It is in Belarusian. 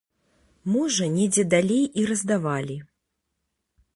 Можа недзе далей і раздавалі.